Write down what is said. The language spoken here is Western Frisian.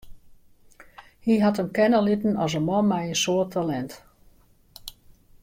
Hy hat him kenne litten as in man mei in soad talint.